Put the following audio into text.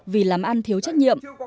vì làm ăn thiếu trách nhiệm